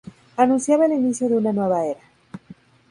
Anunciaba el inicio de una nueva era.